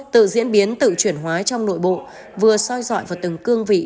tự diễn biến tự chuyển hóa trong nội bộ vừa soi dọi vào từng cương vị